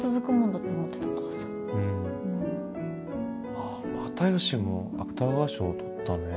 あ又吉も芥川賞取ったね。